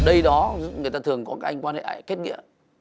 đây đó người ta thường có các anh quan hệ kết nghĩa